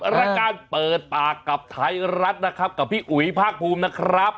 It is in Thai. รายการเปิดปากกับไทยรัฐนะครับกับพี่อุ๋ยภาคภูมินะครับ